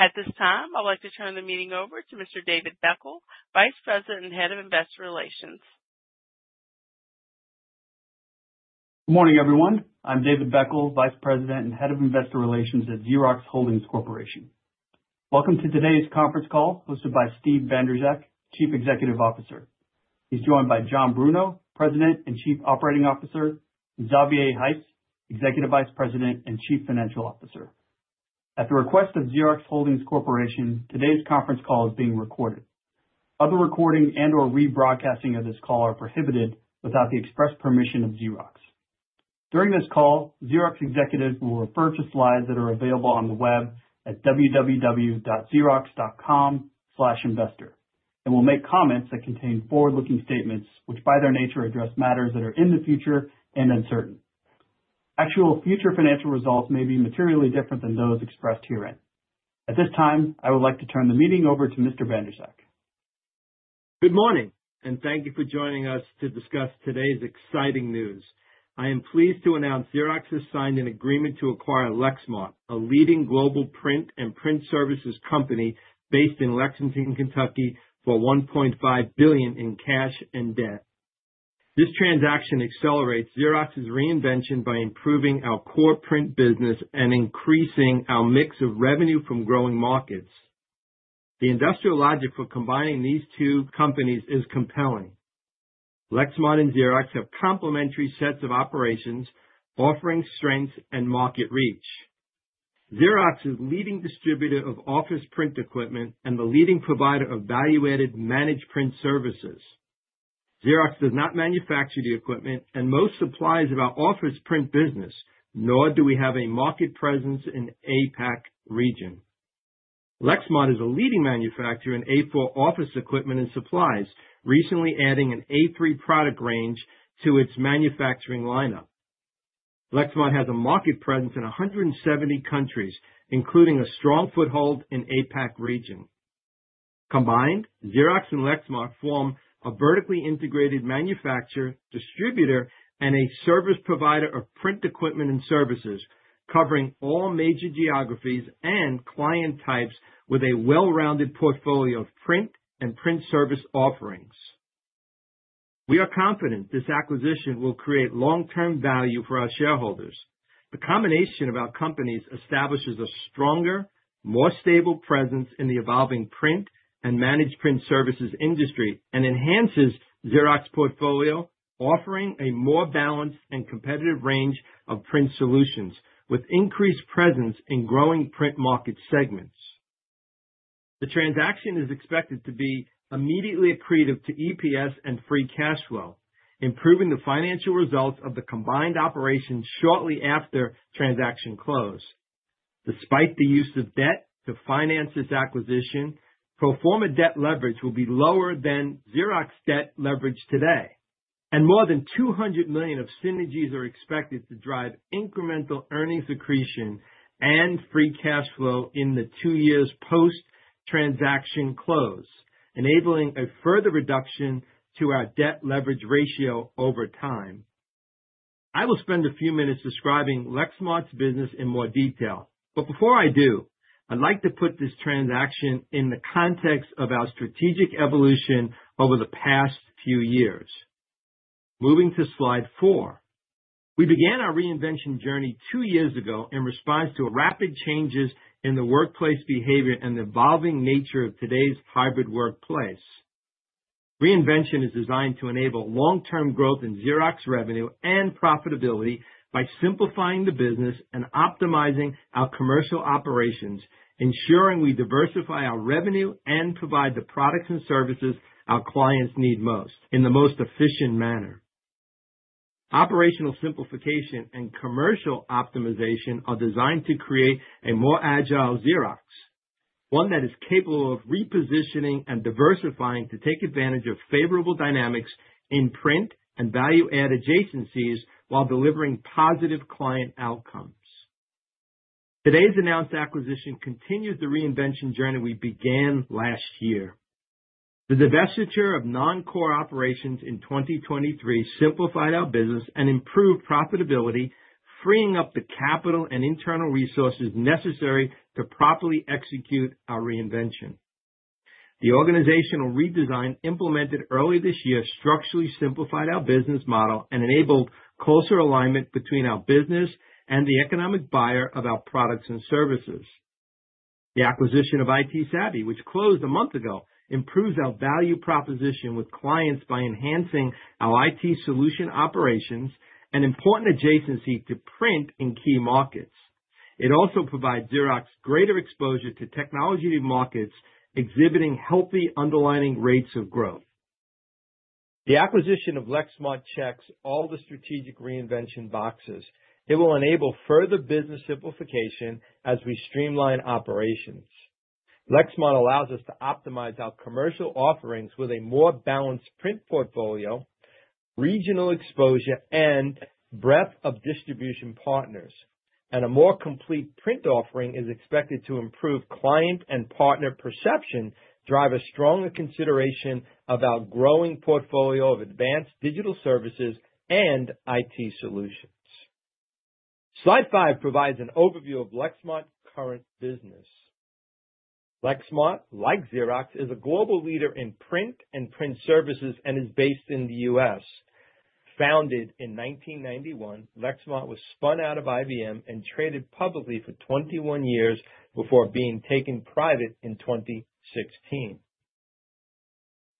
At this time, I'd like to turn the meeting over to Mr. David Beckel, Vice President and Head of Investor Relations. Good morning, everyone. I'm David Beckel, Vice President and Head of Investor Relations at Xerox Holdings Corporation. Welcome to today's conference call hosted by Steve Bandrowczak, Chief Executive Officer. He's joined by John Bruno, President and Chief Operating Officer, Xavier Heiss, Executive Vice President and Chief Financial Officer. At the request of Xerox Holdings Corporation, today's conference call is being recorded. Other recording and/or rebroadcasting of this call are prohibited without the express permission of Xerox. During this call, Xerox executives will refer to slides that are available on the web at www.xerox.com/investor and will make comments that contain forward-looking statements which, by their nature, address matters that are in the future and uncertain. Actual future financial results may be materially different than those expressed herein. At this time, I would like to turn the meeting over to Mr. Bandrowczak. Good morning, and thank you for joining us to discuss today's exciting news. I am pleased to announce Xerox has signed an agreement to acquire Lexmark, a leading global print and print services company based in Lexington, Kentucky, for $1.5 billion in cash and debt. This transaction accelerates Xerox's reinvention by improving our core print business and increasing our mix of revenue from growing markets. The industrial logic for combining these two companies is compelling. Lexmark and Xerox have complementary sets of operations offering strengths and market reach. Xerox is a leading distributor of office print equipment and the leading provider of value-added managed print services. Xerox does not manufacture the equipment and most supplies of our office print business, nor do we have a market presence in the APAC region. Lexmark is a leading manufacturer in A4 office equipment and supplies, recently adding an A3 product range to its manufacturing lineup. Lexmark has a market presence in 170 countries, including a strong foothold in the APAC region. Combined, Xerox and Lexmark form a vertically integrated manufacturer, distributor, and a service provider of print equipment and services, covering all major geographies and client types with a well-rounded portfolio of print and print service offerings. We are confident this acquisition will create long-term value for our shareholders. The combination of our companies establishes a stronger, more stable presence in the evolving print and managed print services industry and enhances Xerox's portfolio, offering a more balanced and competitive range of print solutions with increased presence in growing print market segments. The transaction is expected to be immediately accretive to EPS and free cash flow, improving the financial results of the combined operations shortly after transaction close. Despite the use of debt to finance this acquisition, pro forma debt leverage will be lower than Xerox debt leverage today, and more than $200 million of synergies are expected to drive incremental earnings accretion and free cash flow in the two years post-transaction close, enabling a further reduction to our debt leverage ratio over time. I will spend a few minutes describing Lexmark's business in more detail, but before I do, I'd like to put this transaction in the context of our strategic evolution over the past few years. Moving to slide four, we began our reinvention journey two years ago in response to rapid changes in the workplace behavior and the evolving nature of today's hybrid workplace. Reinvention is designed to enable long-term growth in Xerox's revenue and profitability by simplifying the business and optimizing our commercial operations, ensuring we diversify our revenue and provide the products and services our clients need most in the most efficient manner. Operational simplification and commercial optimization are designed to create a more agile Xerox, one that is capable of repositioning and diversifying to take advantage of favorable dynamics in print and value-add adjacencies while delivering positive client outcomes. Today's announced acquisition continues the reinvention journey we began last year. The divestiture of non-core operations in 2023 simplified our business and improved profitability, freeing up the capital and internal resources necessary to properly execute our reinvention. The organizational redesign implemented early this year structurally simplified our business model and enabled closer alignment between our business and the economic buyer of our products and services. The acquisition of ITsavvy, which closed a month ago, improves our value proposition with clients by enhancing our IT solution operations and important adjacency to print in key markets. It also provides Xerox greater exposure to technology markets, exhibiting healthy underlying rates of growth. The acquisition of Lexmark checks all the strategic reinvention boxes. It will enable further business simplification as we streamline operations. Lexmark allows us to optimize our commercial offerings with a more balanced print portfolio, regional exposure, and breadth of distribution partners, and a more complete print offering is expected to improve client and partner perception, drive a stronger consideration about growing portfolio of advanced digital services and IT solutions. Slide five provides an overview of Lexmark's current business. Lexmark, like Xerox, is a global leader in print and print services and is based in the U.S. Founded in 1991, Lexmark was spun out of IBM and traded publicly for 21 years before being taken private in 2016.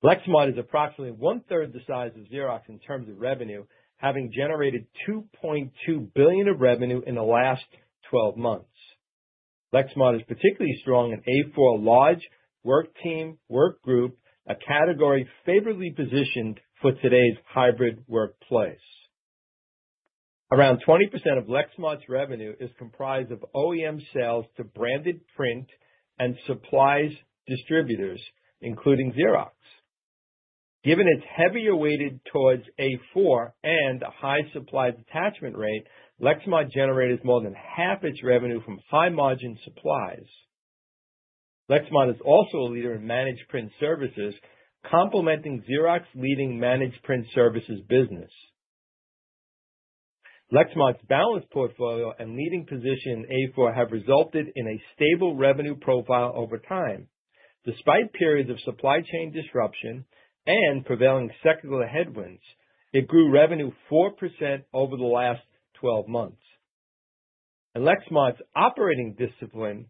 Lexmark is approximately one-third the size of Xerox in terms of revenue, having generated $2.2 billion of revenue in the last 12 months. Lexmark is particularly strong in A4 large, work team, work group, a category favorably positioned for today's hybrid workplace. Around 20% of Lexmark's revenue is comprised of OEM sales to branded print and supplies distributors, including Xerox. Given its heavier weighted towards A4 and a high supply detachment rate, Lexmark generates more than half its revenue from high-margin supplies. Lexmark is also a leader in managed print services, complementing Xerox's leading managed print services business. Lexmark's balanced portfolio and leading position in A4 have resulted in a stable revenue profile over time. Despite periods of supply chain disruption and prevailing sector headwinds, it grew revenue 4% over the last 12 months. And Lexmark's operating discipline,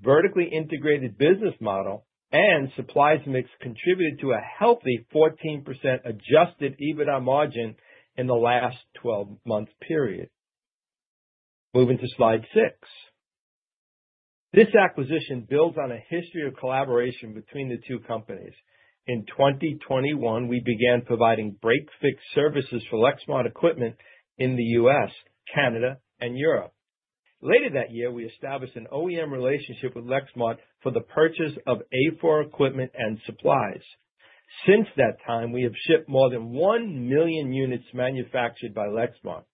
vertically integrated business model, and supplies mix contributed to a healthy 14% Adjusted EBITDA margin in the last 12-month period. Moving to slide six. This acquisition builds on a history of collaboration between the two companies. In 2021, we began providing break-fix services for Lexmark equipment in the U.S., Canada, and Europe. Later that year, we established an OEM relationship with Lexmark for the purchase of A4 equipment and supplies. Since that time, we have shipped more than one million units manufactured by Lexmark,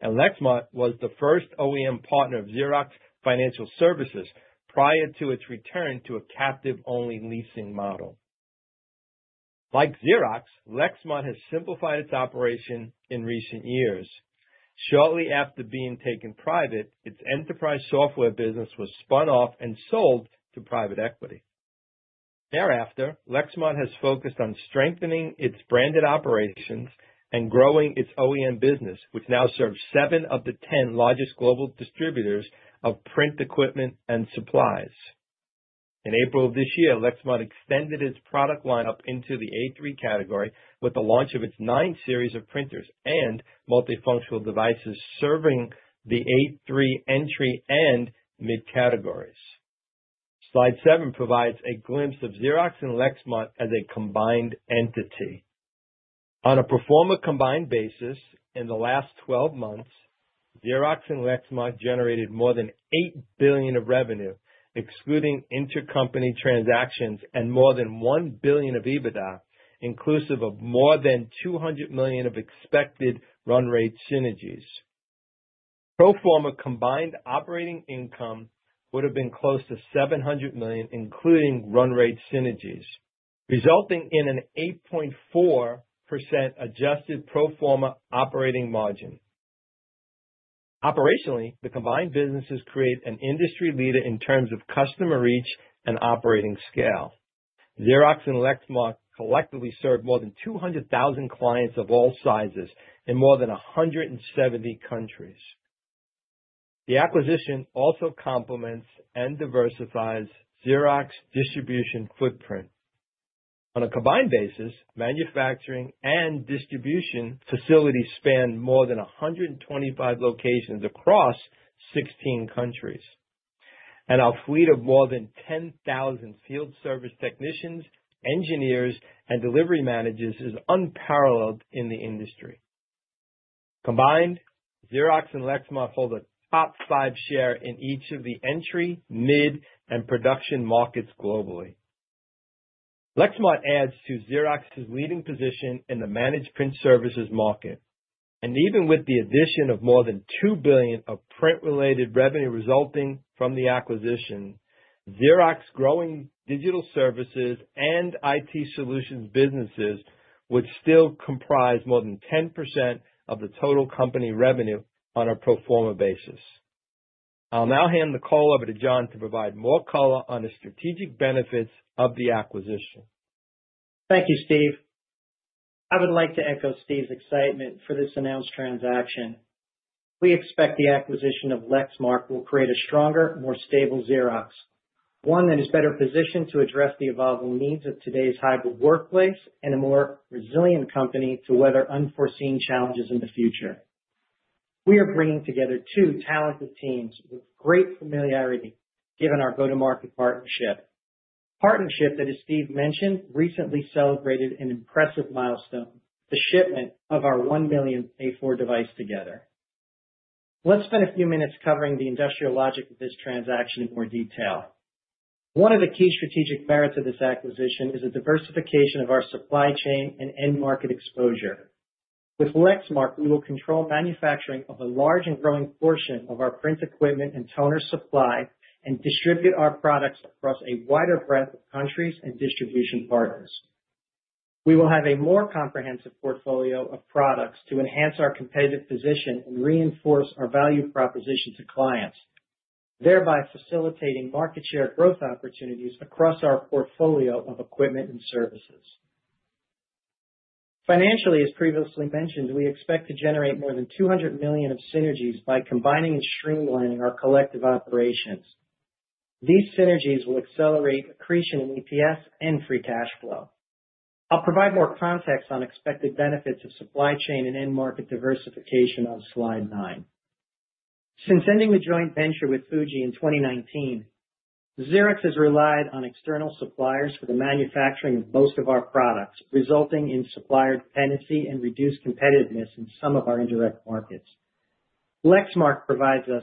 and Lexmark was the first OEM partner of Xerox Financial Services prior to its return to a captive-only leasing model. Like Xerox, Lexmark has simplified its operation in recent years. Shortly after being taken private, its enterprise software business was spun off and sold to private equity. Thereafter, Lexmark has focused on strengthening its branded operations and growing its OEM business, which now serves seven of the 10 largest global distributors of print equipment and supplies. In April of this year, Lexmark extended its product lineup into the A3 category with the launch of its 9-Series of printers and multifunctional devices serving the A3 entry and mid-categories. Slide seven provides a glimpse of Xerox and Lexmark as a combined entity. On a pro forma combined basis, in the last 12 months, Xerox and Lexmark generated more than $8 billion of revenue, excluding intercompany transactions, and more than $1 billion of EBITDA, inclusive of more than $200 million of expected run rate synergies. Pro forma combined operating income would have been close to $700 million, including run rate synergies, resulting in an 8.4% adjusted pro forma operating margin. Operationally, the combined businesses create an industry leader in terms of customer reach and operating scale. Xerox and Lexmark collectively serve more than 200,000 clients of all sizes in more than 170 countries. The acquisition also complements and diversifies Xerox's distribution footprint. On a combined basis, manufacturing and distribution facilities span more than 125 locations across 16 countries, and our fleet of more than 10,000 field service technicians, engineers, and delivery managers is unparalleled in the industry. Combined, Xerox and Lexmark hold a top five share in each of the entry, mid, and production markets globally. Lexmark adds to Xerox's leading position in the managed print services market. Even with the addition of more than $2 billion of print-related revenue resulting from the acquisition, Xerox's growing digital services and IT solutions businesses would still comprise more than 10% of the total company revenue on a pro forma basis. I'll now hand the call over to John to provide more color on the strategic benefits of the acquisition. Thank you, Steve. I would like to echo Steve's excitement for this announced transaction. We expect the acquisition of Lexmark will create a stronger, more stable Xerox, one that is better positioned to address the evolving needs of today's hybrid workplace and a more resilient company to weather unforeseen challenges in the future. We are bringing together two talented teams with great familiarity given our go-to-market partnership, partnership that, as Steve mentioned, recently celebrated an impressive milestone, the shipment of our 1 million A4 device together. Let's spend a few minutes covering the industrial logic of this transaction in more detail. One of the key strategic merits of this acquisition is the diversification of our supply chain and end market exposure. With Lexmark, we will control manufacturing of a large and growing portion of our print equipment and toner supply and distribute our products across a wider breadth of countries and distribution partners. We will have a more comprehensive portfolio of products to enhance our competitive position and reinforce our value proposition to clients, thereby facilitating market share growth opportunities across our portfolio of equipment and services. Financially, as previously mentioned, we expect to generate more than $200 million of synergies by combining and streamlining our collective operations. These synergies will accelerate accretion in EPS and free cash flow. I'll provide more context on expected benefits of supply chain and end market diversification on slide nine. Since ending the joint venture with Fuji in 2019, Xerox has relied on external suppliers for the manufacturing of most of our products, resulting in supplier dependency and reduced competitiveness in some of our indirect markets. Lexmark provides us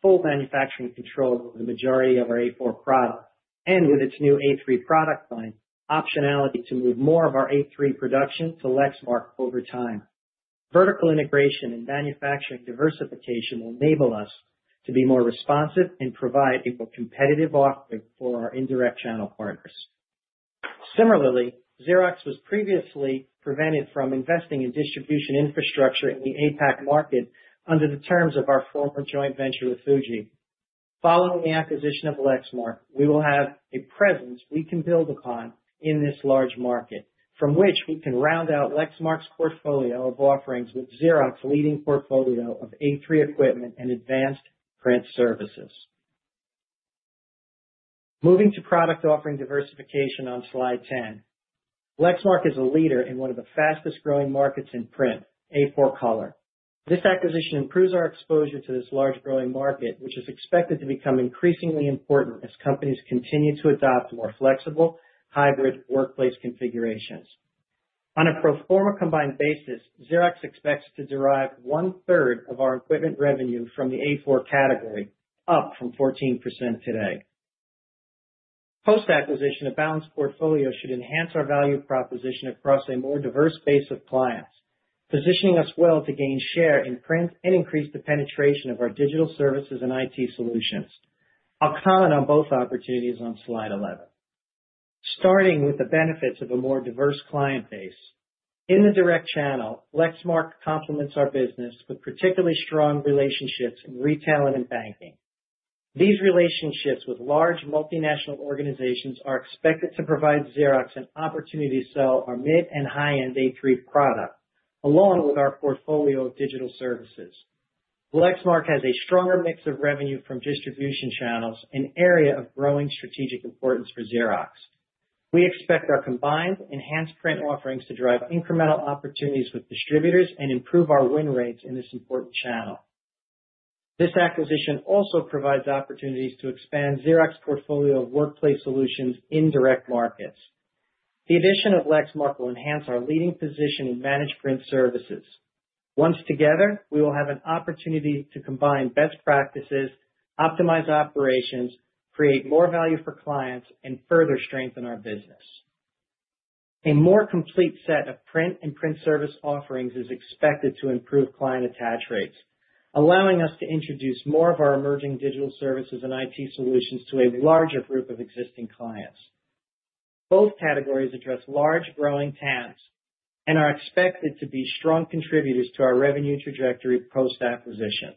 full manufacturing control of the majority of our A4 products and, with its new A3 product line, optionality to move more of our A3 production to Lexmark over time. Vertical integration and manufacturing diversification will enable us to be more responsive and provide a more competitive offering for our indirect channel partners. Similarly, Xerox was previously prevented from investing in distribution infrastructure in the APAC market under the terms of our former joint venture with Fuji. Following the acquisition of Lexmark, we will have a presence we can build upon in this large market, from which we can round out Lexmark's portfolio of offerings with Xerox's leading portfolio of A3 equipment and advanced print services. Moving to product offering diversification on slide 10, Lexmark is a leader in one of the fastest-growing markets in print, A4 color. This acquisition improves our exposure to this large growing market, which is expected to become increasingly important as companies continue to adopt more flexible hybrid workplace configurations. On a pro forma combined basis, Xerox expects to derive one-third of our equipment revenue from the A4 category, up from 14% today. Post-acquisition, a balanced portfolio should enhance our value proposition across a more diverse base of clients, positioning us well to gain share in print and increase the penetration of our digital services and IT solutions. I'll comment on both opportunities on slide 11. Starting with the benefits of a more diverse client base. In the direct channel, Lexmark complements our business with particularly strong relationships in retail and in banking. These relationships with large multinational organizations are expected to provide Xerox an opportunity to sell our mid and high-end A3 products, along with our portfolio of digital services. Lexmark has a stronger mix of revenue from distribution channels, an area of growing strategic importance for Xerox. We expect our combined enhanced print offerings to drive incremental opportunities with distributors and improve our win rates in this important channel. This acquisition also provides opportunities to expand Xerox's portfolio of workplace solutions in direct markets. The addition of Lexmark will enhance our leading position in managed print services. Once together, we will have an opportunity to combine best practices, optimize operations, create more value for clients, and further strengthen our business. A more complete set of print and print service offerings is expected to improve client attach rates, allowing us to introduce more of our emerging digital services and IT solutions to a larger group of existing clients. Both categories address large, growing markets and are expected to be strong contributors to our revenue trajectory post-acquisition.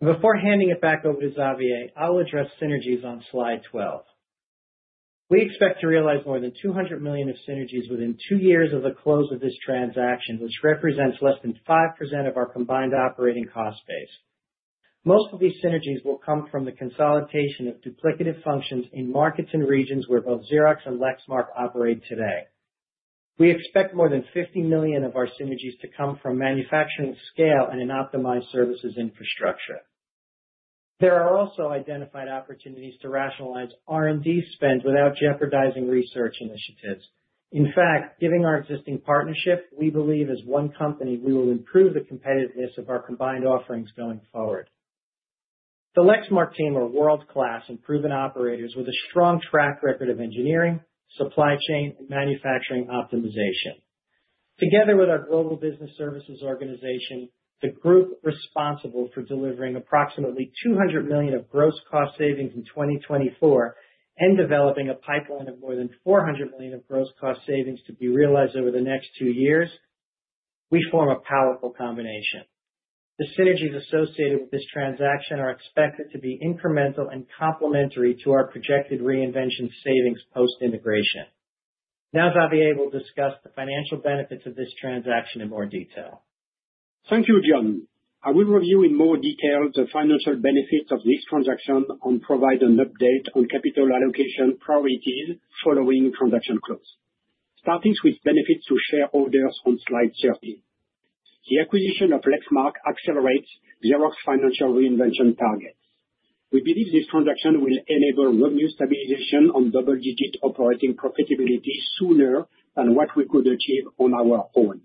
Before handing it back over to Xavier, I'll address synergies on slide 12. We expect to realize more than $200 million of synergies within two years of the close of this transaction, which represents less than 5% of our combined operating cost base. Most of these synergies will come from the consolidation of duplicative functions in markets and regions where both Xerox and Lexmark operate today. We expect more than $50 million of our synergies to come from manufacturing scale and an optimized services infrastructure. There are also identified opportunities to rationalize R&D spend without jeopardizing research initiatives. In fact, giving our existing partnership, we believe as one company, we will improve the competitiveness of our combined offerings going forward. The Lexmark team are world-class and proven operators with a strong track record of engineering, supply chain, and manufacturing optimization. Together with our global business services organization, the group responsible for delivering approximately $200 million of gross cost savings in 2024 and developing a pipeline of more than $400 million of gross cost savings to be realized over the next two years, we form a powerful combination. The synergies associated with this transaction are expected to be incremental and complementary to our projected reinvention savings post-integration. Now, Xavier will discuss the financial benefits of this transaction in more detail. Thank you, John. I will review in more detail the financial benefits of this transaction and provide an update on capital allocation priorities following transaction close. Starting with benefits to shareholders on slide 13. The acquisition of Lexmark accelerates Xerox's financial reinvention targets. We believe this transaction will enable revenue stabilization on double-digit operating profitability sooner than what we could achieve on our own.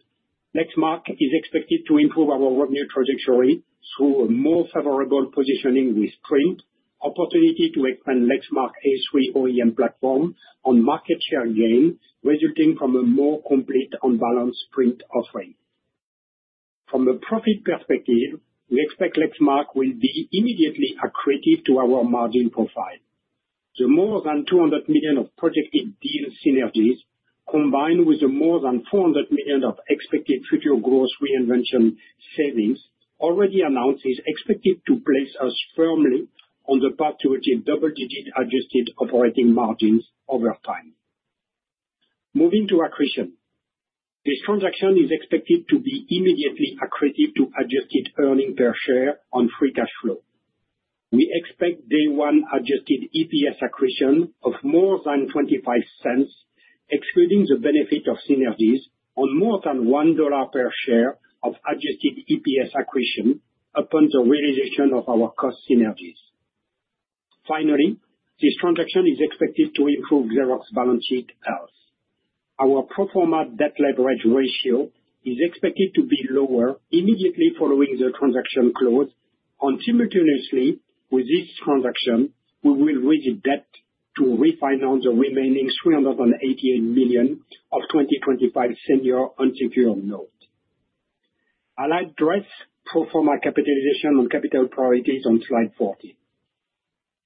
Lexmark is expected to improve our revenue trajectory through a more favorable positioning with print, opportunity to expand Lexmark's A3 OEM platform, and market share gain resulting from a more complete and balanced print offering. From a profit perspective, we expect Lexmark will be immediately accretive to our margin profile. The more than $200 million of projected deal synergies, combined with the more than $400 million of expected future gross reinvention savings, already announced, is expected to place us firmly on the path to achieve double-digit adjusted operating margins over time. Moving to accretion, this transaction is expected to be immediately accretive to adjusted earnings per share on free cash flow. We expect day-one adjusted EPS accretion of more than $0.25, excluding the benefit of synergies, and more than $1 per share of adjusted EPS accretion upon the realization of our cost synergies. Finally, this transaction is expected to improve Xerox's balance sheet health. Our pro forma debt leverage ratio is expected to be lower immediately following the transaction close, and simultaneously with this transaction, we will raise debt to refinance the remaining $388 million of 2025 senior unsecured note. I'll address pro forma capitalization and capital priorities on slide 14.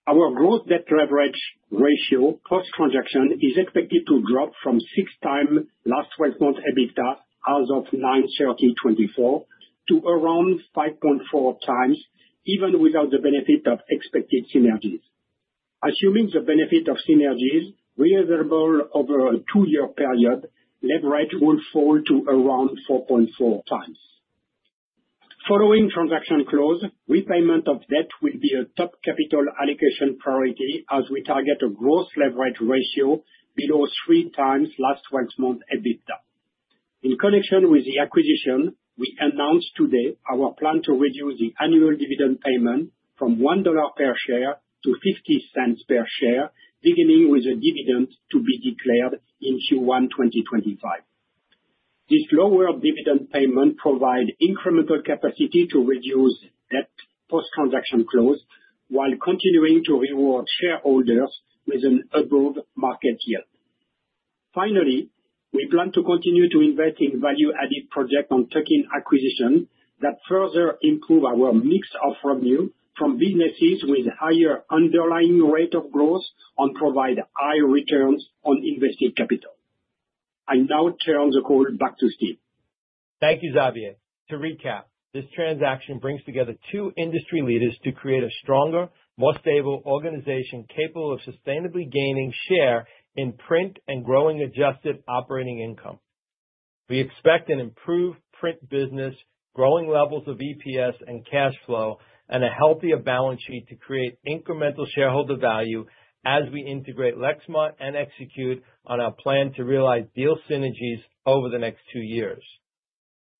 Our gross debt leverage ratio post-transaction is expected to drop from six times last 12-month EBITDA as of 09/30/2024 to around 5.4 times, even without the benefit of expected synergies. Assuming the benefit of synergies reasonable over a two-year period, leverage will fall to around 4.4 times. Following transaction close, repayment of debt will be a top capital allocation priority as we target a gross leverage ratio below three times last 12-month EBITDA. In connection with the acquisition, we announced today our plan to reduce the annual dividend payment from $1 per share to $0.50 per share, beginning with a dividend to be declared in Q1 2025. This lower dividend payment provides incremental capacity to reduce debt post-transaction close while continuing to reward shareholders with an above-market yield. Finally, we plan to continue to invest in value-added projects on token acquisitions that further improve our mix of revenue from businesses with higher underlying rate of growth and provide high returns on invested capital. I now turn the call back to Steve. Thank you, Xavier. To recap, this transaction brings together two industry leaders to create a stronger, more stable organization capable of sustainably gaining share in print and growing adjusted operating income. We expect an improved print business, growing levels of EPS and cash flow, and a healthier balance sheet to create incremental shareholder value as we integrate Lexmark and execute on our plan to realize deal synergies over the next two years.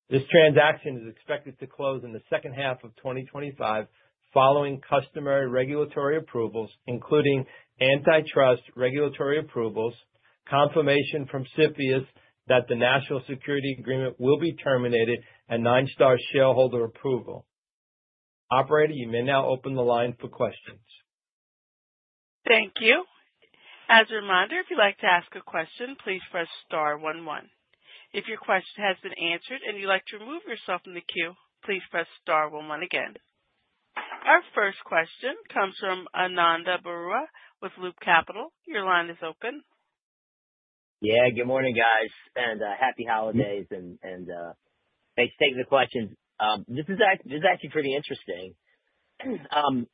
This transaction is expected to close in the second half of 2025 following customer regulatory approvals, including antitrust regulatory approvals, confirmation from CFIUS that the national security agreement will be terminated, and Ninestar shareholder approval. Operator, you may now open the line for questions. Thank you. As a reminder, if you'd like to ask a question, please press star 11. If your question has been answered and you'd like to remove yourself from the queue, please press star 11 again. Our first question comes from Ananda Baruah with Loop Capital. Your line is open. Yeah, good morning, guys, and happy holidays, and thanks for taking the questions. This is actually pretty interesting.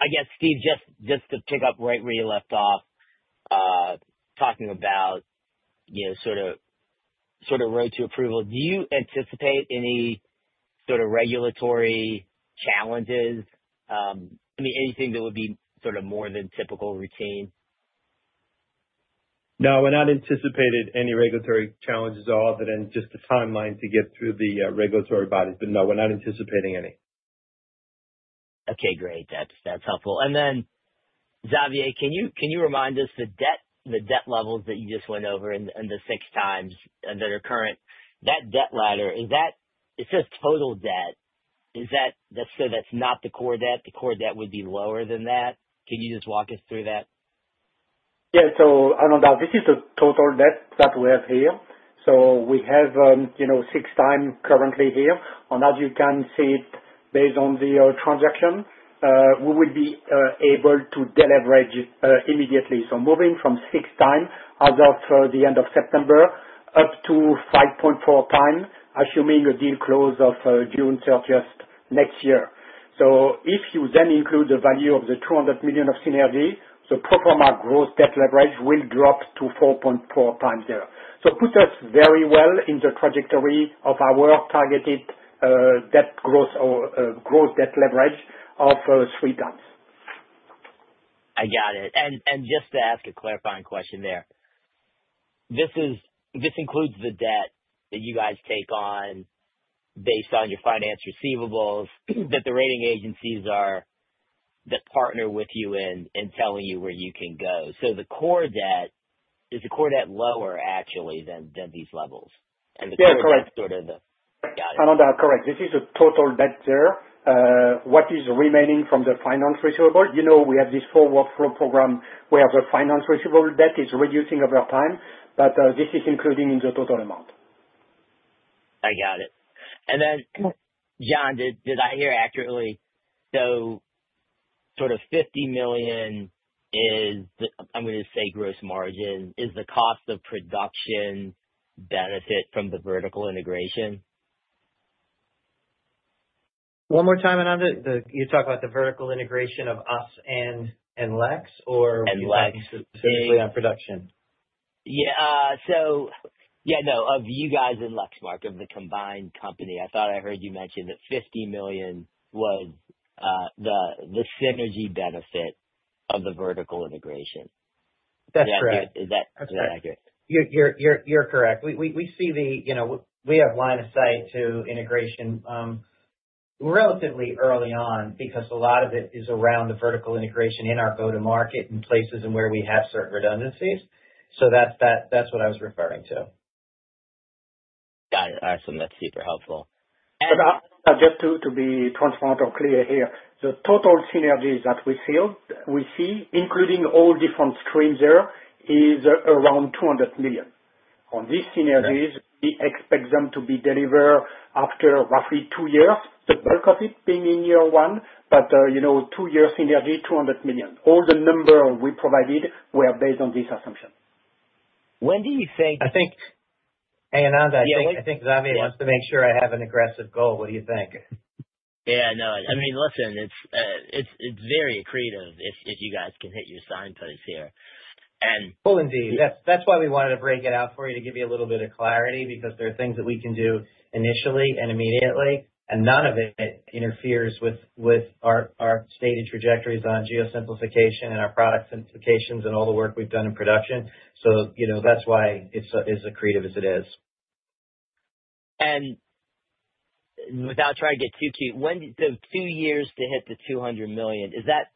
I guess, Steve, just to pick up right where you left off, talking about sort of road to approval, do you anticipate any sort of regulatory challenges? I mean, anything that would be sort of more than typical routine? No, we're not anticipating any regulatory challenges other than just the timeline to get through the regulatory bodies. But no, we're not anticipating any. Okay, great. That's helpful. And then, Xavier, can you remind us the debt levels that you just went over and the six times that are current? That debt ladder, is that just total debt? So that's not the core debt? The core debt would be lower than that? Can you just walk us through that? Yeah. So Ananda, this is the total debt that we have here. So we have six times currently here. Ananda, you can see it based on the transaction. We will be able to deleverage immediately. So moving from six times as of the end of September up to 5.4 times, assuming a deal close of June 30th next year. So if you then include the value of the $200 million of synergy, the pro forma gross debt leverage will drop to 4.4 times there. So put us very well in the trajectory of our targeted debt growth debt leverage of three times. I got it. And just to ask a clarifying question there. This includes the debt that you guys take on based on your finance receivables that the rating agencies partner with you in telling you where you can go. So the core debt, is the core debt lower, actually, than these levels? Yeah, correct. The core debt. Ananda, correct. This is the total debt there. What is remaining from the finance receivable? We have this forward flow program where the finance receivable debt is reducing over time, but this is included in the total amount. I got it. And then, John, did I hear accurately? So sort of $50 million is, I'm going to say, gross margin. Is the cost of production benefit from the vertical integration? One more time, Ananda. You talked about the vertical integration of us and Lex, or. Lexmark. Specifically on production? Yeah. So yeah, no, of you guys and Lexmark, of the combined company. I thought I heard you mention that $50 million was the synergy benefit of the vertical integration. That's correct. Is that accurate? You're correct. We see that we have line of sight to integration relatively early on because a lot of it is around the vertical integration in our go-to-market and places where we have certain redundancies. So that's what I was referring to. Got it. Awesome. That's super helpful. Just to be transparent or clear here, the total synergies that we see, including all different streams there, is around $200 million. On these synergies, we expect them to be delivered after roughly two years, the bulk of it being in year one, but two-year synergy, $200 million. All the numbers we provided were based on this assumption. When do you think? I think. Hey, Ananda. Yeah. I think Xavier wants to make sure I have an aggressive goal. What do you think? Yeah, no. I mean, listen, it's very accretive if you guys can hit your signposts here. And. Indeed. That's why we wanted to break it out for you to give you a little bit of clarity because there are things that we can do initially and immediately, and none of it interferes with our stated trajectories on geosimplification and our product simplifications and all the work we've done in production. So that's why it's as accretive as it is. And without trying to get too cute, so two years to hit the $200 million, is that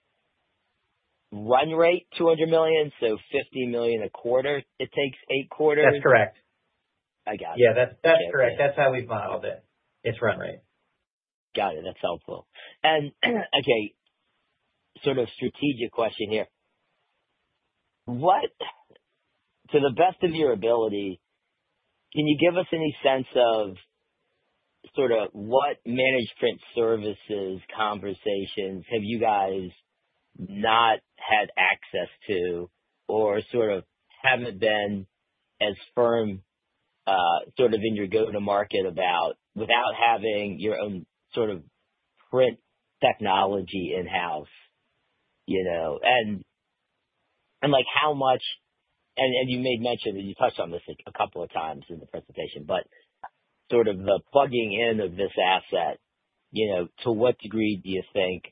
run rate $200 million? So $50 million a quarter, it takes eight quarters? That's correct. I got it. Yeah, that's correct. That's how we've modeled it. It's run rate. Got it. That's helpful. And okay, sort of strategic question here. To the best of your ability, can you give us any sense of sort of what management services conversations have you guys not had access to or sort of haven't been as firm sort of in your go-to-market about without having your own sort of print technology in-house? And how much, and you made mention that you touched on this a couple of times in the presentation, but sort of the plugging in of this asset, to what degree do you think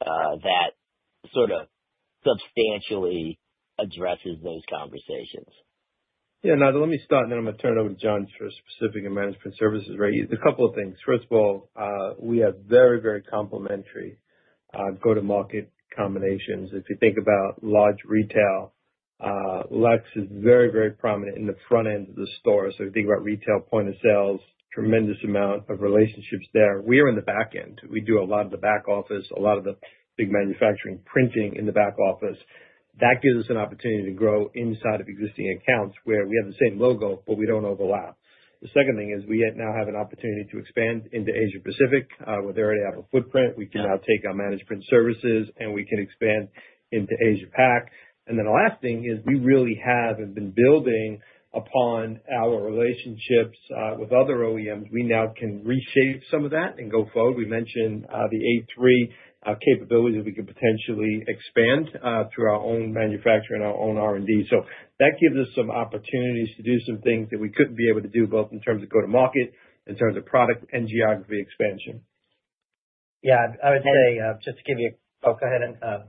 that sort of substantially addresses those conversations? Yeah, Ananda, let me start, and then I'm going to turn it over to John for specific management services. A couple of things. First of all, we have very, very complementary go-to-market combinations. If you think about large retail, Lex is very, very prominent in the front end of the store. So if you think about retail point of sales, tremendous amount of relationships there. We are in the back end. We do a lot of the back office, a lot of the big manufacturing printing in the back office. That gives us an opportunity to grow inside of existing accounts where we have the same logo, but we don't overlap. The second thing is we now have an opportunity to expand into Asia Pacific. With Lexmark's APAC footprint, we can now take our management services, and we can expand into AsiaPac. And then the last thing is we really have and have been building upon our relationships with other OEMs. We now can reshape some of that and go forward. We mentioned the A3 capability that we could potentially expand through our own manufacturing and our own R&D. So that gives us some opportunities to do some things that we couldn't be able to do both in terms of go-to-market, in terms of product, and geography expansion. Yeah. I would say, just to give you, oh, go ahead.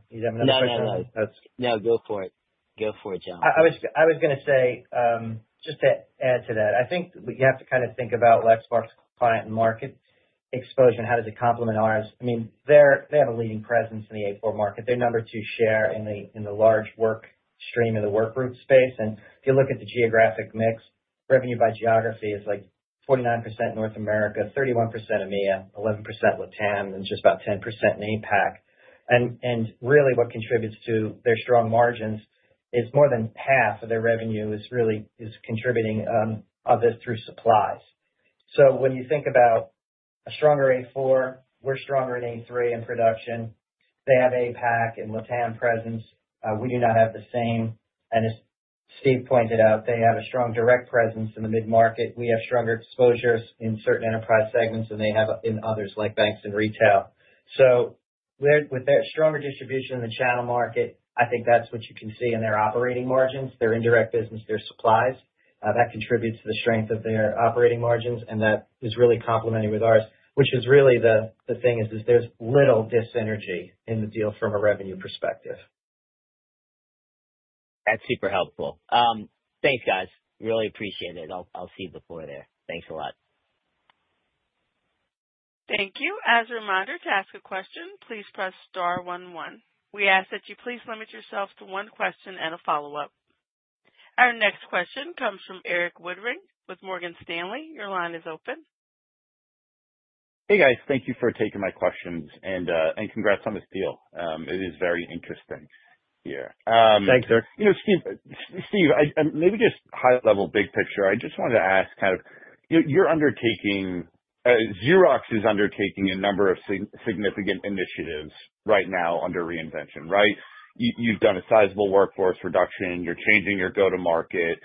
You have another question? No, no, no. Go for it. Go for it, John. I was going to say, just to add to that, I think you have to kind of think about Lexmark's client and market exposure and how does it complement ours. I mean, they have a leading presence in the A4 market. They're number two share in the large workgroup of the workgroup space. And if you look at the geographic mix, revenue by geography is like 49% North America, 31% EMEA, 11% LatAm, and just about 10% in APAC. And really, what contributes to their strong margins is more than half of their revenue is contributing of this through supplies. So when you think about a stronger A4, we're stronger in A3 in production. They have APAC and LatAm presence. We do not have the same. And as Steve pointed out, they have a strong direct presence in the mid-market. We have stronger exposures in certain enterprise segments than they have in others like banks and retail, so with that stronger distribution in the channel market, I think that's what you can see in their operating margins, their indirect business, their supplies. That contributes to the strength of their operating margins, and that is really complementary with ours, which is really the thing is there's little synergy in the deal from a revenue perspective. That's super helpful. Thanks, guys. Really appreciate it. I'll see you before there. Thanks a lot. Thank you. As a reminder, to ask a question, please press star 11. We ask that you please limit yourself to one question and a follow-up. Our next question comes from Erik Woodring with Morgan Stanley. Your line is open. Hey, guys. Thank you for taking my questions, and congrats on this deal. It is very interesting here. Thanks, sir. Steve, maybe just high-level, big picture. I just wanted to ask kind of Xerox is undertaking a number of significant initiatives right now under reinvention, right? You've done a sizable workforce reduction. You're changing your go-to-market.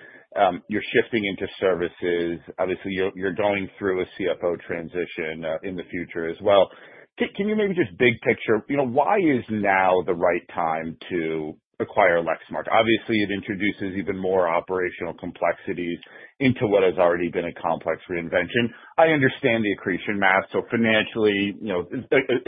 You're shifting into services. Obviously, you're going through a CFO transition in the future as well. Can you maybe just big picture, why is now the right time to acquire Lexmark? Obviously, it introduces even more operational complexities into what has already been a complex reinvention. I understand the accretion math. So financially,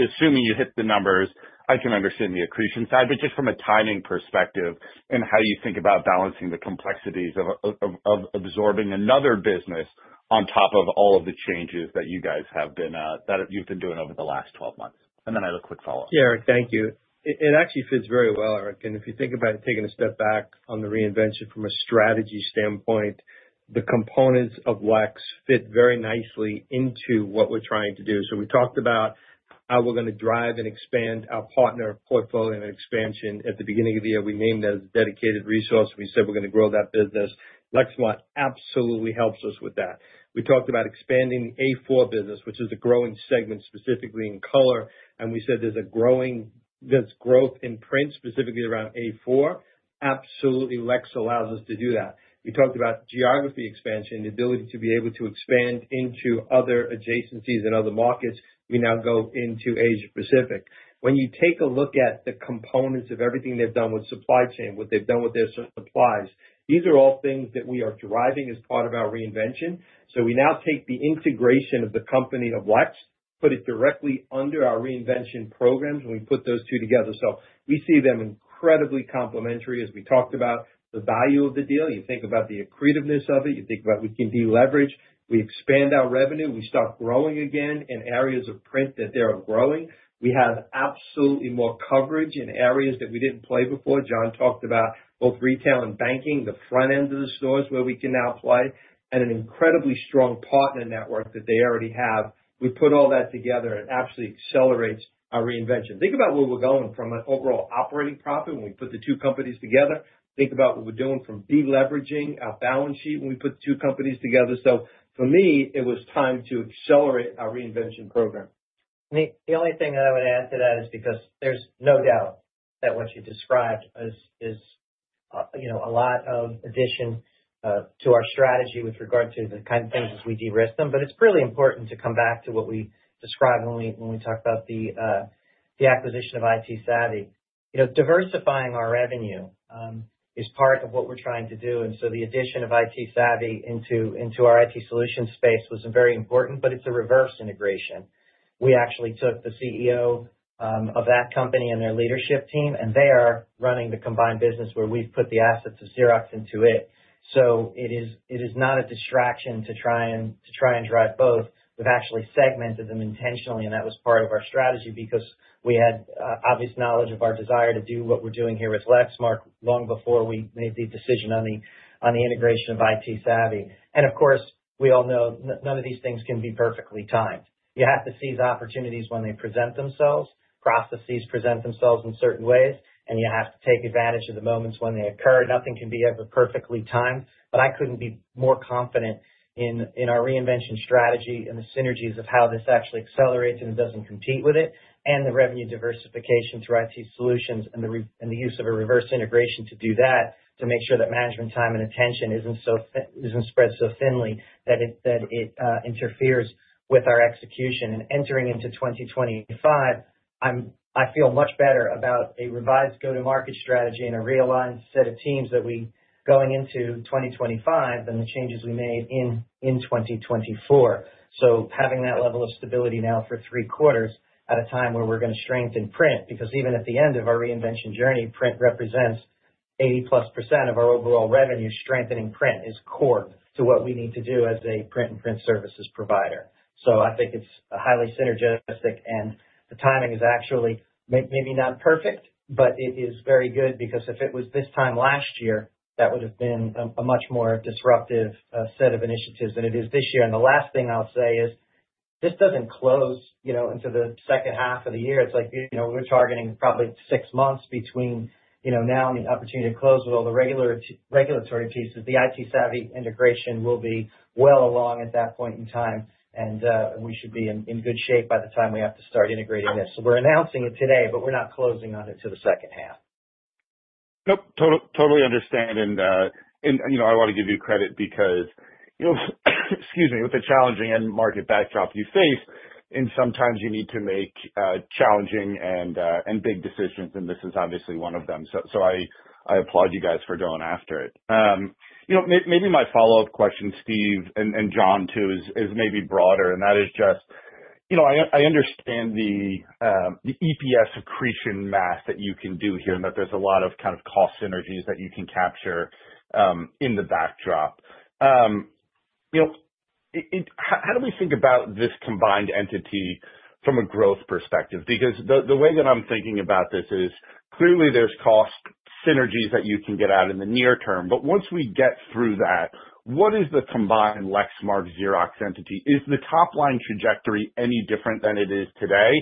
assuming you hit the numbers, I can understand the accretion side. But just from a timing perspective and how you think about balancing the complexities of absorbing another business on top of all of the changes that you've been doing over the last 12 months. Then I have a quick follow-up. Yeah, Erik, thank you. It actually fits very well, Erik. And if you think about taking a step back on the reinvention from a strategy standpoint, the components of Lex fit very nicely into what we're trying to do. So we talked about how we're going to drive and expand our partner portfolio and expansion. At the beginning of the year, we named it as a dedicated resource. We said we're going to grow that business. Lexmark absolutely helps us with that. We talked about expanding the A4 business, which is a growing segment specifically in color. And we said there's growth in print specifically around A4. Absolutely, Lex allows us to do that. We talked about geography expansion, the ability to be able to expand into other adjacencies and other markets. We now go into Asia Pacific. When you take a look at the components of everything they've done with supply chain, what they've done with their supplies, these are all things that we are driving as part of our reinvention. So we now take the integration of the company of Lex, put it directly under our reinvention programs, and we put those two together. So we see them incredibly complementary, as we talked about, the value of the deal. You think about the accretiveness of it. You think about we can deleverage. We expand our revenue. We start growing again in areas of print that they're growing. We have absolutely more coverage in areas that we didn't play before. John talked about both retail and banking, the front end of the stores where we can now play, and an incredibly strong partner network that they already have. We put all that together, and it absolutely accelerates our reinvention. Think about where we're going from an overall operating profit when we put the two companies together. Think about what we're doing from deleveraging our balance sheet when we put the two companies together. So for me, it was time to accelerate our reinvention program. The only thing that I would add to that is because there's no doubt that what you described is a lot of addition to our strategy with regard to the kind of things as we de-risk them. But it's really important to come back to what we described when we talked about the acquisition of ITsavvy. Diversifying our revenue is part of what we're trying to do. And so the addition of ITsavvy into our IT solution space was very important, but it's a reverse integration. We actually took the CEO of that company and their leadership team, and they are running the combined business where we've put the assets of Xerox into it. So it is not a distraction to try and drive both. We've actually segmented them intentionally, and that was part of our strategy because we had obvious knowledge of our desire to do what we're doing here with Lexmark long before we made the decision on the integration of ITsavvy. And of course, we all know none of these things can be perfectly timed. You have to seize opportunities when they present themselves. Processes present themselves in certain ways, and you have to take advantage of the moments when they occur. Nothing can be ever perfectly timed. But I couldn't be more confident in our reinvention strategy and the synergies of how this actually accelerates and doesn't compete with it, and the revenue diversification through IT solutions and the use of a reverse integration to do that to make sure that management time and attention isn't spread so thinly that it interferes with our execution. And entering into 2025, I feel much better about a revised go-to-market strategy and a realigned set of teams that we're going into 2025 than the changes we made in 2024. So having that level of stability now for three quarters at a time where we're going to strengthen print because even at the end of our reinvention journey, print represents 80-plus% of our overall revenue. Strengthening print is core to what we need to do as a print and print services provider. So I think it's highly synergistic, and the timing is actually maybe not perfect, but it is very good because if it was this time last year, that would have been a much more disruptive set of initiatives than it is this year. And the last thing I'll say is this doesn't close into the second half of the year. It's like we're targeting probably six months between now and the opportunity to close with all the regulatory pieces. The ITsavvy integration will be well along at that point in time, and we should be in good shape by the time we have to start integrating this. So we're announcing it today, but we're not closing on it till the second half. Nope. Totally understand. And I want to give you credit because, excuse me, with the challenging end market backdrop you face, sometimes you need to make challenging and big decisions, and this is obviously one of them. So I applaud you guys for going after it. Maybe my follow-up question, Steve and John, too, is maybe broader, and that is just I understand the EPS accretion math that you can do here and that there's a lot of kind of cost synergies that you can capture in the backdrop. How do we think about this combined entity from a growth perspective? Because the way that I'm thinking about this is clearly there's cost synergies that you can get out in the near term. But once we get through that, what is the combined Lexmark Xerox entity? Is the top-line trajectory any different than it is today?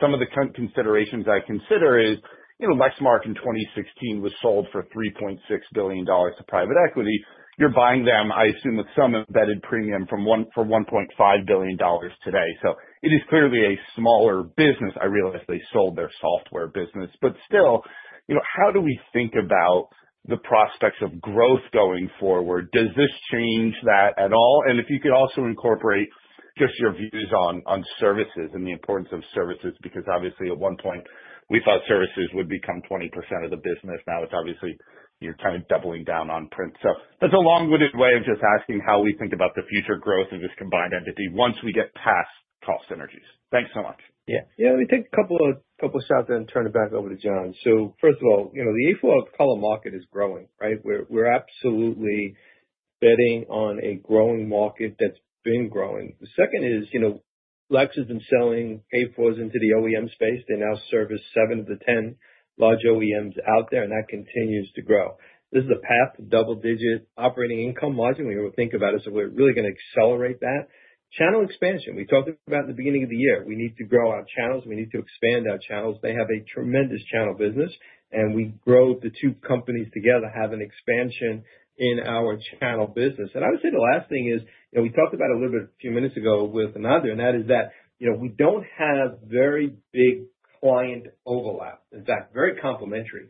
Some of the considerations I consider is Lexmark in 2016 was sold for $3.6 billion to private equity. You're buying them, I assume, with some embedded premium for $1.5 billion today. So it is clearly a smaller business. I realize they sold their software business. But still, how do we think about the prospects of growth going forward? Does this change that at all? And if you could also incorporate just your views on services and the importance of services because obviously, at one point, we thought services would become 20% of the business. Now it's obviously kind of doubling down on print. So that's a long-winded way of just asking how we think about the future growth of this combined entity once we get past cost synergies. Thanks so much. Yeah. Yeah. Let me take a couple of shots and turn it back over to John. So first of all, the A4 color market is growing, right? We're absolutely betting on a growing market that's been growing. The second is Lex has been selling A4s into the OEM space. They now service seven of the 10 large OEMs out there, and that continues to grow. This is a path to double-digit operating income margin. We think about it as we're really going to accelerate that. Channel expansion. We talked about in the beginning of the year. We need to grow our channels. We need to expand our channels. They have a tremendous channel business, and we grow the two companies together, have an expansion in our channel business. I would say the last thing is we talked about a little bit a few minutes ago with another, and that is that we don't have very big client overlap. In fact, very complementary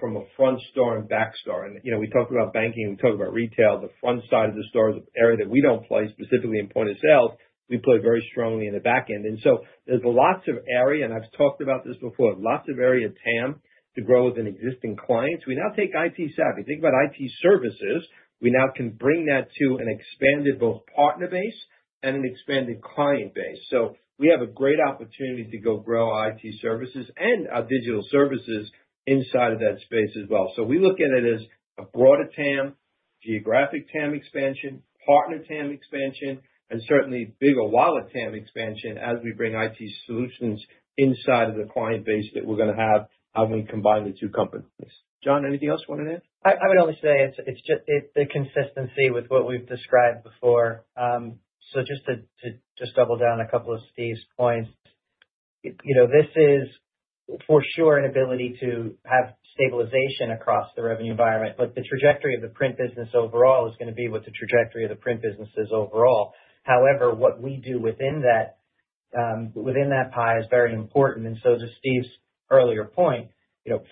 from a front store and back store. We talked about banking. We talked about retail. The front side of the store is an area that we don't play specifically in point of sales. We play very strongly in the back end. There's lots of area, and I've talked about this before, lots of area of TAM to grow within existing clients. We now take ITsavvy. Think about IT services. We now can bring that to an expanded both partner base and an expanded client base. We have a great opportunity to go grow our IT services and our digital services inside of that space as well. So we look at it as a broader TAM, geographic TAM expansion, partner TAM expansion, and certainly bigger wallet TAM expansion as we bring IT solutions inside of the client base that we're going to have when we combine the two companies. John, anything else you wanted to add? I would only say it's the consistency with what we've described before. So just to double down on a couple of Steve's points, this is for sure an ability to have stabilization across the revenue environment. But the trajectory of the print business overall is going to be what the trajectory of the print business is overall. However, what we do within that pie is very important. And so to Steve's earlier point,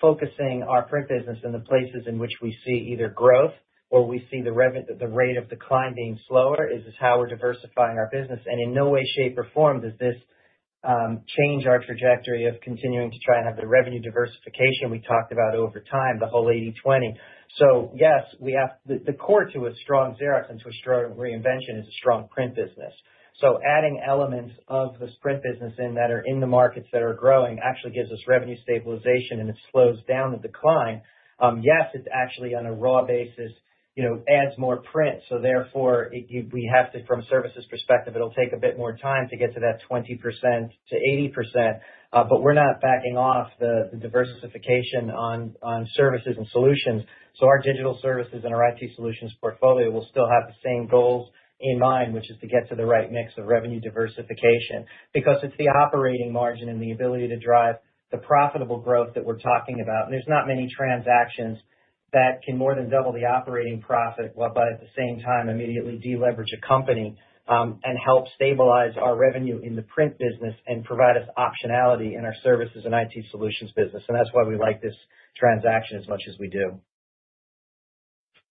focusing our print business in the places in which we see either growth or we see the rate of decline being slower is how we're diversifying our business. And in no way, shape, or form does this change our trajectory of continuing to try and have the revenue diversification we talked about over time, the whole 80/20. So yes, the core to a strong Xerox and to a strong reinvention is a strong print business. So adding elements of this print business in that are in the markets that are growing actually gives us revenue stabilization, and it slows down the decline. Yes, it actually on a raw basis adds more print. So therefore, we have to, from a services perspective, it'll take a bit more time to get to that 20%-80%. But we're not backing off the diversification on services and solutions. So our digital services and our IT solutions portfolio will still have the same goals in mind, which is to get to the right mix of revenue diversification because it's the operating margin and the ability to drive the profitable growth that we're talking about. And there's not many transactions that can more than double the operating profit while at the same time immediately deleverage a company and help stabilize our revenue in the print business and provide us optionality in our services and IT solutions business. And that's why we like this transaction as much as we do.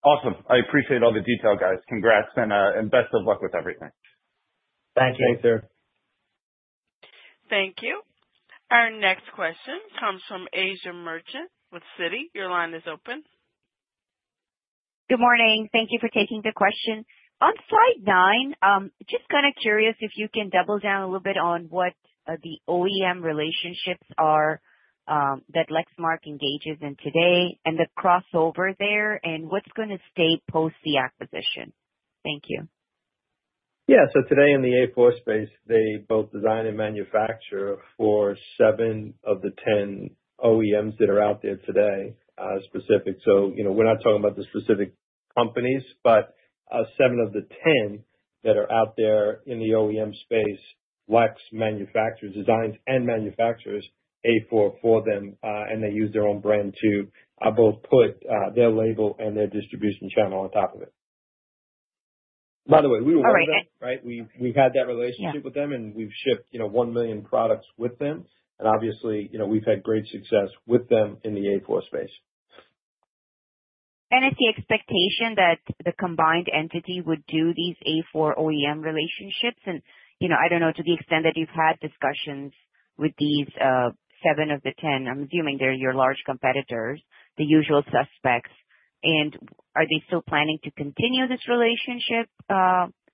Awesome. I appreciate all the detail, guys. Congrats and best of luck with everything. Thank you. Thank you. Thank you. Our next question comes from Asiya Merchant with Citi. Your line is open. Good morning. Thank you for taking the question. On slide nine, just kind of curious if you can double down a little bit on what the OEM relationships are that Lexmark engages in today and the crossover there and what's going to stay post the acquisition. Thank you. Yeah. So today in the A4 space, they both design and manufacture for seven of the 10 OEMs that are out there today, specifically. So we're not talking about the specific companies, but seven of the 10 that are out there in the OEM space. Lexmark designs and manufactures A4 for them, and they use their own brand to both put their label and their distribution channel on top of it. By the way, we were working on it, right? We had that relationship with them, and we've shipped one million products with them. And obviously, we've had great success with them in the A4 space. Is the expectation that the combined entity would do these A4 OEM relationships? I don't know to the extent that you've had discussions with these seven of the 10. I'm assuming they're your large competitors, the usual suspects. Are they still planning to continue this relationship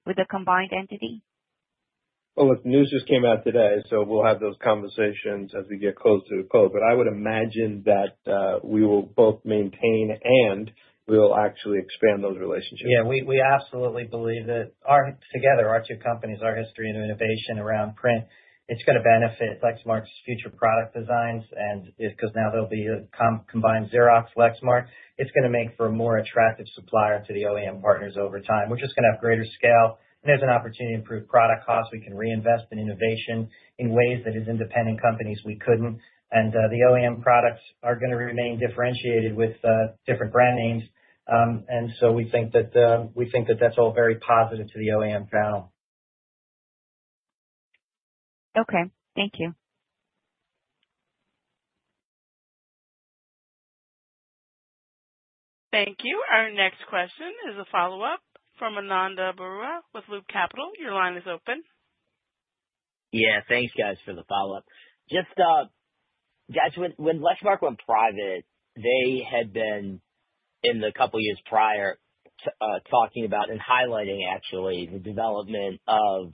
with the combined entity? Well, the news just came out today, so we'll have those conversations as we get closer to the close. But I would imagine that we will both maintain and we'll actually expand those relationships. Yeah. We absolutely believe that together, our two companies, our history and innovation around print, it's going to benefit Lexmark's future product designs because now there'll be a combined Xerox Lexmark. It's going to make for a more attractive supplier to the OEM partners over time. We're just going to have greater scale. And there's an opportunity to improve product costs. We can reinvest in innovation in ways that as independent companies we couldn't. And the OEM products are going to remain differentiated with different brand names. And so we think that that's all very positive to the OEM channel. Okay. Thank you. Thank you. Our next question is a follow-up from Ananda Baruah with Loop Capital. Your line is open. Yeah. Thanks, guys, for the follow-up. Just, guys, when Lexmark went private, they had been in the couple of years prior talking about and highlighting, actually, the development of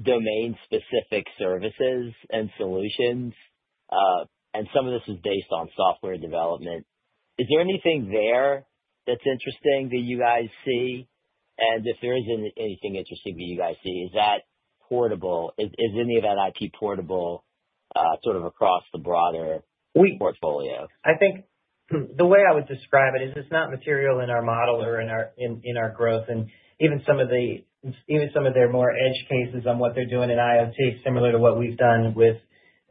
domain-specific services and solutions. And some of this is based on software development. Is there anything there that's interesting that you guys see? And if there is anything interesting that you guys see, is that portable? Is any of that IP portable sort of across the broader portfolio? I think the way I would describe it is it's not material in our model or in our growth. And even some of their more edge cases on what they're doing in IoT, similar to what we've done with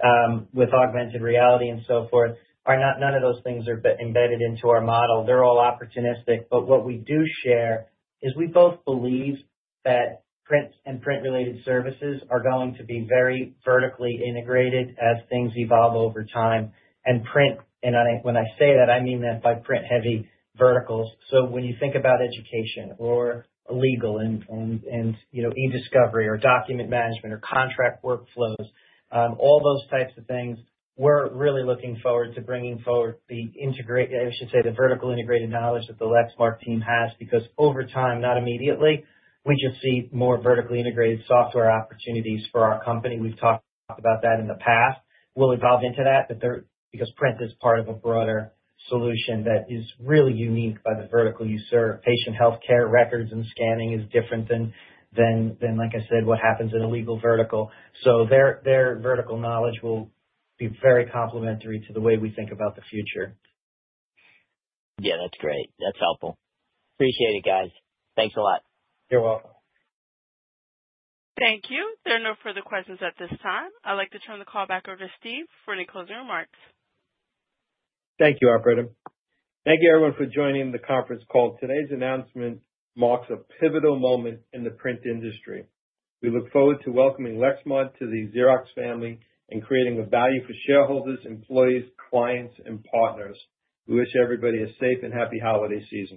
augmented reality and so forth, none of those things are embedded into our model. They're all opportunistic. But what we do share is we both believe that print and print-related services are going to be very vertically integrated as things evolve over time. And when I say that, I mean that by print-heavy verticals. So when you think about education or legal and e-discovery or document management or contract workflows, all those types of things, we're really looking forward to bringing forward the, I should say, the vertical integrated knowledge that the Lexmark team has because over time, not immediately, we just see more vertically integrated software opportunities for our company. We've talked about that in the past. We'll evolve into that because print is part of a broader solution that is really unique by the vertical you serve. Patient healthcare records and scanning is different than, like I said, what happens in a legal vertical. So their vertical knowledge will be very complementary to the way we think about the future. Yeah. That's great. That's helpful. Appreciate it, guys. Thanks a lot. You're welcome. Thank you. There are no further questions at this time. I'd like to turn the call back over to Steve for any closing remarks. Thank you, Operator. Thank you, everyone, for joining the conference call. Today's announcement marks a pivotal moment in the print industry. We look forward to welcoming Lexmark to the Xerox family and creating a value for shareholders, employees, clients, and partners. We wish everybody a safe and happy holiday season.